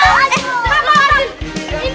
aduh udah sakit